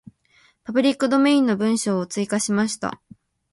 パブリックドメインの文章を追加しました。